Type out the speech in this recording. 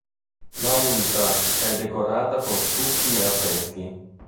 L'aulta è decorata con stucchi e affreschi.